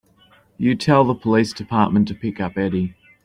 You tell the police department to pick up Eddie.